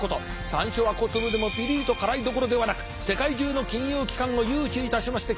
「山椒は小粒でもぴりりと辛い」どころではなく世界中の金融機関を誘致いたしまして急成長しました。